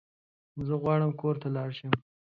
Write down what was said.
زه غواړم کور ته لاړ شم